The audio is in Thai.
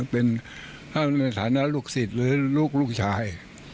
เป็นฐานะลูกสิทธิ์หรือลูกลูกชาย